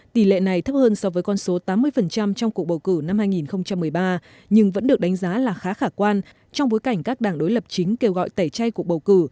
tỷ lệ này thấp hơn so với con số tám mươi trong cuộc bầu cử năm hai nghìn một mươi ba nhưng vẫn được đánh giá là khá khả quan trong bối cảnh các đảng đối lập chính kêu gọi tẩy chay cuộc bầu cử